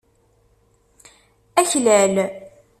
Aklal.